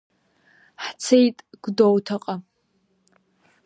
Ҳцеит Гәдоуҭаҟа…